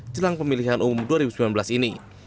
jelang pemilihan umum dua ribu sembilan belas ini